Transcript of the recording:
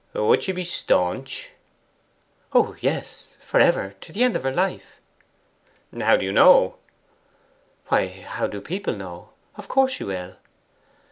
'Would she be staunch?' 'Oh yes! For ever to the end of her life!' 'How do you know?' 'Why, how do people know? Of course, she will.